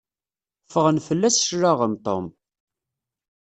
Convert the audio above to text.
Ffɣen fell-as cclaɣem Tom.